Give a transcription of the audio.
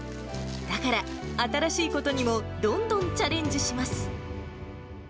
だから、新しいことにもどんどんチャレンジします。